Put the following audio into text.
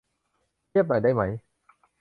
เงียบหน่อยได้มั้ย